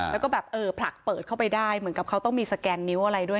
แล้วก็แบบเออผลักเปิดเข้าไปได้เหมือนกับเขาต้องมีสแกนนิ้วอะไรด้วย